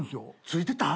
付いてた？